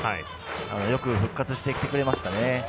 よく復活してきてくれましたね。